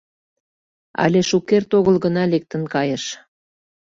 — Але шукерте огыл гына лектын кайыш.